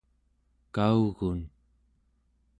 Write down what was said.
kaugun